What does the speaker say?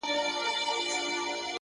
تمرکز بریا ته مستقیمه لاره ده،